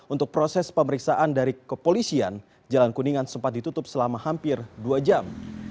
untuk proses pemeriksaan dari kepolisian jalan kuningan sempat ditutup selama hampir dua jam